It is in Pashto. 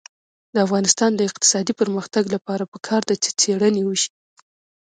د افغانستان د اقتصادي پرمختګ لپاره پکار ده چې څېړنې وشي.